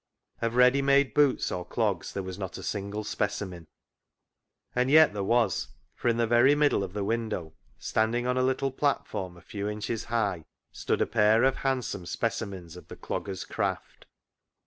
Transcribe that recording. Of ready made boots or clogs there was not a single specimen. And yet there was, for in the very middle of the window, standing on a little platform a few inches high, stood a pair of handsome speci mens of the dogger's craft.